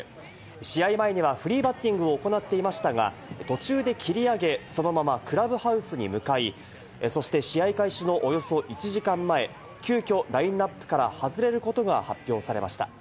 試合前にはフリーバッティングを行っていましたが、途中で切り上げ、そのままクラブハウスに向かい、そして試合開始のおよそ１時間前、急きょラインナップから外れることが発表されました。